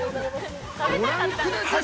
ご覧ください。